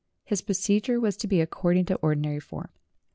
His procedure was to be according to ordinary form.